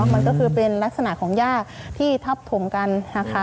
มันก็คือเป็นลักษณะของย่าที่ทับถมกันนะคะ